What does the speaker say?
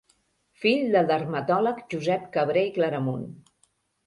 Fill del dermatòleg Josep Cabré i Claramunt.